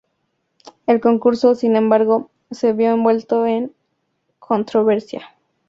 El concurso, sin embargo, se vio envuelto en controversia.